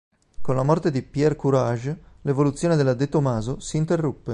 Con la morte di Piers Courage, l'evoluzione della De Tomaso si interruppe.